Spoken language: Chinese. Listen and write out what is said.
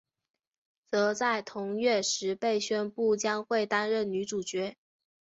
则在同月时被宣布将会担任女主角。